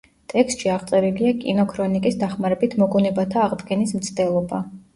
ტექსტში აღწერილია კინოქრონიკის დახმარებით მოგონებათა აღდგენის მცდელობა.